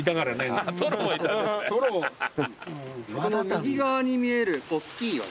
右側に見えるおっきい岩ですね。